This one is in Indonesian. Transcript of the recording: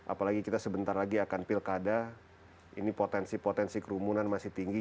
apalagi kita sebentar lagi akan pilkada ini potensi potensi kerumunan masih tinggi